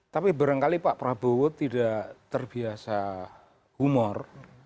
tapi barangkali pak prabowo tidak terbiasa humor